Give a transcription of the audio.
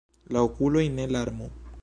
La okuloj ne larmo.